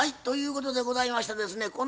ということでございましてですね